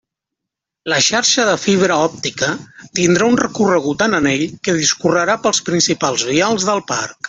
La xarxa de fibra òptica tindrà un recorregut en anell que discorrerà pels principals vials del parc.